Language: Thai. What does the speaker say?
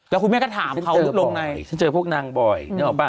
แล้วคุณแม่ก็ถามเขาลงไงฉันเจอพวกนางบ่อยนึกออกป่